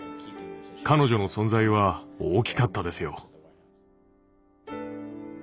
彼女の存在は大きかったですよ。